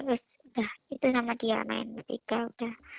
udah itu nama dia main ketika udah